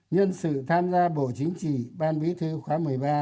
nhân sự tham gia bộ chính trị ban bí thư khóa một mươi ba